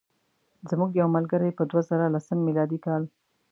زموږ یو ملګری په دوه زره لسم میلادي کال.